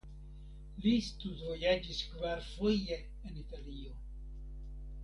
Li studvojaĝis kvarfoje en Italio.